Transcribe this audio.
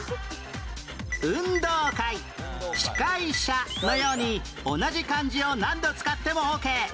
「運動会」「司会者」のように同じ漢字を何度使ってもオーケー